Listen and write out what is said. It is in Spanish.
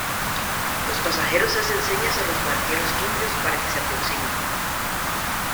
los pasajeros hacen señas a los barqueros indios para que se aproximen: